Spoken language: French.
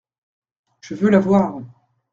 Je veux la voir.